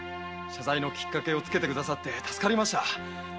謝罪のキッカケをつけてくださって助かりました。